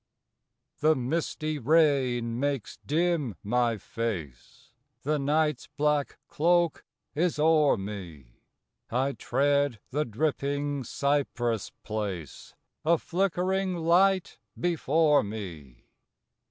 The misty rain makes dim my face, The night's black cloak is o'er me; I tread the dripping cypress place, A flickering light before me.